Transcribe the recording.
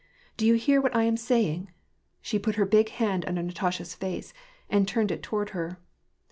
" Do you hear what I am saying ?'* She put her big hand under Natasha's face, and turned it toward her.